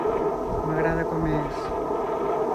M'agrada com és.